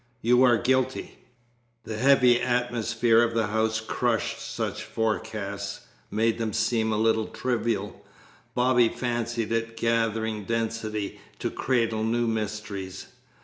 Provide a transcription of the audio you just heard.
You are guilty." The heavy atmosphere of the house crushed such forecasts, made them seem a little trivial. Bobby fancied it gathering density to cradle new mysteries.